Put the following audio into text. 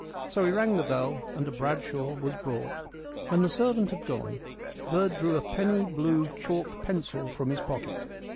So he rang the bell, and a Bradshaw was brought. When the servant had gone Verd drew a penny blue chalk pencil from his pocket.